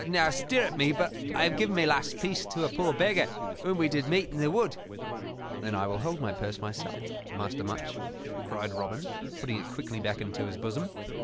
"Now, stirrup me but I have given my last piece to a poor beggar whom we did meet in the wood." "Then I will hold my purse myself, Master Much," cried Robin, putting it quickly back into his bosom.